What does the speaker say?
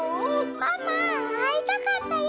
「ママあいたかったよ！